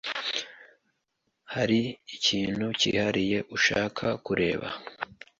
Hari ikintu cyihariye ushaka kureba?